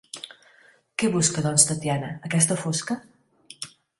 Que busca doncs Tatiana, aquesta fosca?